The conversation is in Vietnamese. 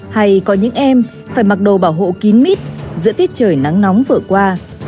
hay có những em phải mặc đồ bảo hộ kín mít giữa tiết trời nắng nóng vừa qua